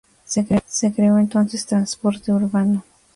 Se creó entonces "Transporte Urbano".